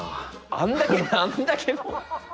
あんだけあんだけ。